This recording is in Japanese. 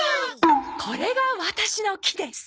これがワタシの木です。